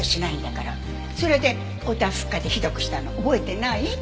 それでおたふく風邪ひどくしたの覚えてない？